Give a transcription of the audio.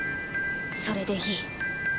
それでいい。